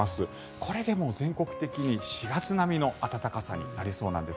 これで全国的に４月並みの暖かさになりそうなんです。